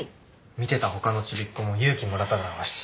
見てた他のちびっこも勇気もらっただろうし。